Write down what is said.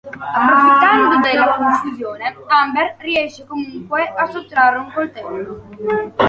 Approfittando della confusione, Amber riesce comunque a sottrarre un coltello.